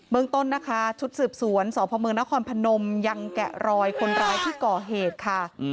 เมืองต้นนะคะชุดสืบสวนสพเมืองนครพนมยังแกะรอยคนร้ายที่ก่อเหตุค่ะ